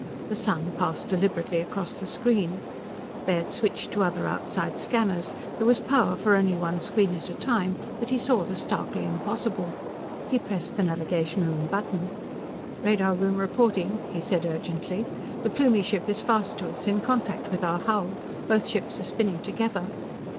The sun passed deliberately across the screen. Baird switched to other outside scanners. There was power for only one screen at a time. But he saw the starkly impossible. He pressed the navigation room button. "Radar room reporting," he said urgently. "The Plumie ship is fast to us, in contact with our hull! Both ships are spinning together!"